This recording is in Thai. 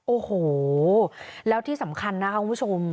โอ้โหแล้วที่สำคัญนะคะคุณผู้ชม